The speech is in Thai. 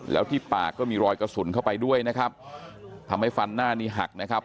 แล้วที่ปากก็มีรอยกระสุนเข้าไปด้วยนะครับทำให้ฟันหน้านี้หักนะครับ